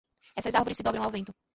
Essas árvores se dobram ao vento.